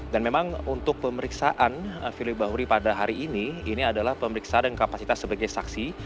dan memang untuk pemeriksaan firly bahuri pada hari ini ini adalah pemeriksaan dengan kapasitas sebagai saksi